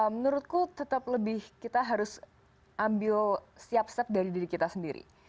menurutku tetap lebih kita harus ambil setiap step dari diri kita sendiri